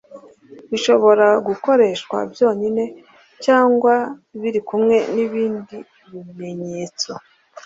Bishobora gukoreshwa byonyine, cyangwa biri kumwe n'ibindi bimenyetso.